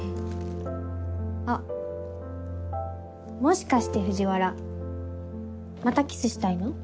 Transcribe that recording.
あっもしかして藤原またキスしたいの？